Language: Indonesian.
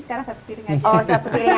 sekarang satu piring aja